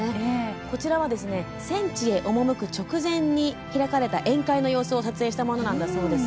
こちらは戦地へ赴く直前に開かれた宴会の様子を撮影したものなんだそうです。